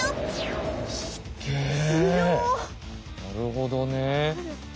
なるほどね。